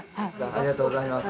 ありがとうございます。